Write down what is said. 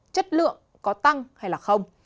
chất lượng có tăng hay không